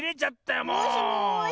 もしもし。